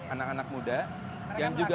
anak anak muda yang juga